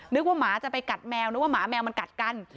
นึกว่าหมาจะไปกัดแมวนึกว่าหมาแมวมันกัดกัน